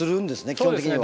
基本的には。